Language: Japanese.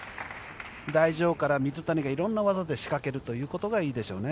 台上から水谷が色んな技で仕掛けるということがいいでしょうね。